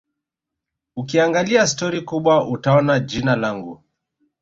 Ukiangalia stori kubwa utaona jina langu